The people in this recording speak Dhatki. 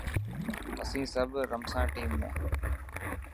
اسين سب رمسان ٽيم ۾.